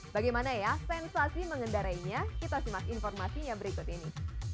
bagaimana ya sensasi mengendarainya kita simak informasinya berikut ini